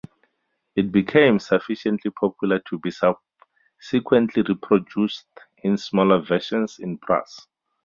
It became sufficiently popular to be subsequently reproduced in smaller versions in brass.